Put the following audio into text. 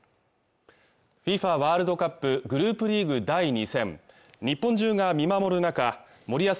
ワールドカップグループリーグ第２戦日本中が見守る中森保